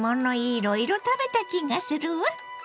いろいろ食べた気がするわ。